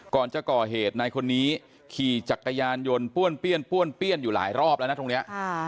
ก่อนจะก่อเหตุนายคนนี้ขี่จักรยานยนต์ป้วนเปี้ยนป้วนเปี้ยนอยู่หลายรอบแล้วนะตรงนี้